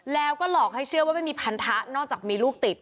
แล้วก็หลอกให้เชื่อว่าไม่มีพันธะนอกจากมีลูกติด